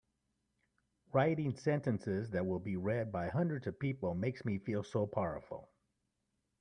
Writing sentences that will be read by hundreds of people makes me feel so powerful!